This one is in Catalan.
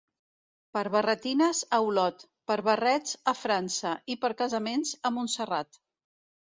Per barretines, a Olot; per barrets, a França, i per casaments, a Montserrat.